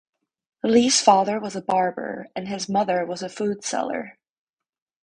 Lee's father was a barber, and his mother was a food seller.